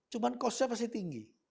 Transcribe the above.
cuma costnya pasti tinggi